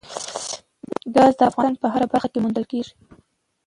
ګاز د افغانستان په هره برخه کې موندل کېږي.